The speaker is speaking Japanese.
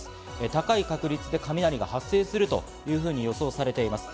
高い確率で雷が発生するというふうに予想されています。